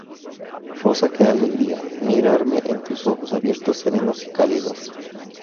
Rosa que alegría, mirarme en tus ojos abiertos serenos y cálidos